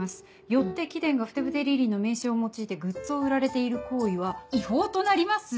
よって貴殿が『ふてぶてリリイ』の名称を用いてグッズを売られている行為は違法となります」